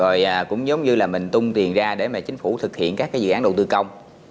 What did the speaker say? rồi cũng giống như là mình tung tiền ra để mà chính phủ thực hiện các cái dự án đầu tư công